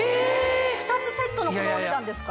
２つセットのお値段ですか？